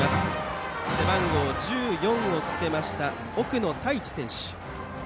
背番号１４を着けました奥野太一選手。